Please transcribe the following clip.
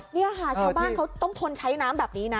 นี่ค่ะชาวบ้านเขาต้องทนใช้น้ำแบบนี้นะ